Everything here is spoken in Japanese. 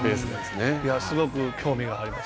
すごく興味があります。